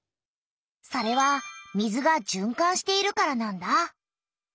それは水がじゅんかんしているからなんだ。